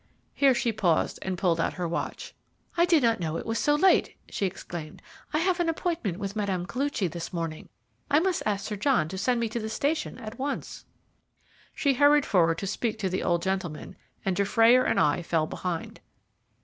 Here she paused, and pulled out her watch. "I did not know it was so late," she exclaimed. "I have an appointment with Mme. Koluchy this morning. I must ask Sir John to send me to the station at once." She hurried forward to speak to the old gentleman, and Dufrayer and I fell behind.